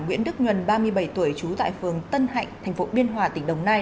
nguyễn đức nguyen ba mươi bảy tuổi trú tại phường tân hạnh tp biên hòa tỉnh đồng nai